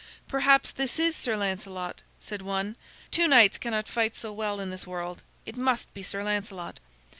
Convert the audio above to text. "Perhaps this is Sir Lancelot," said one. "Two knights cannot fight so well in this world. It must be Sir Lancelot."